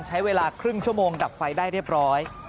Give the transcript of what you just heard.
ใช้เวลาครึ่งชั่วโมงดับไฟได้เรียบร้อย